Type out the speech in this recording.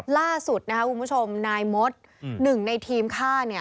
ล่าสุดคุณผู้ชมนายมดหนึ่งในทีมข้า